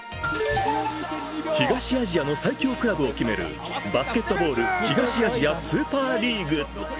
東アジアの最強クラブを決めるバスケットボール東アジアスーパーリーグ。